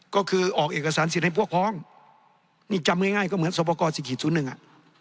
ก็คือออกเอกสารสิทธิ์ให้พวกพ้องนี่จำง่ายก็เหมือนสวปกร๔๐๑อ่ะ